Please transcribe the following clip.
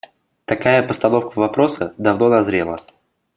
Такая постановка вопроса давно назрела.